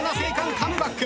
カムバック。